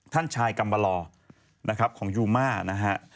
ท่านชายกัมบลอนะครับของยูมานะฮะ